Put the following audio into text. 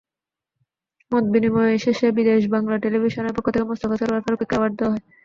মতবিনিময় শেষে বিদেশ বাংলা টেলিভিশনের পক্ষ থেকে মোস্তফা সরয়ার ফারুকীকে অ্যাওয়ার্ড দেওয়া হয়।